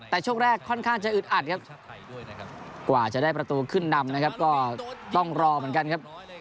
แต่ช่วงแรกค่อนข้างจะอึดอัดครับกว่าจะได้ประตูขึ้นนำนะครับก็ต้องรอเหมือนกันครับ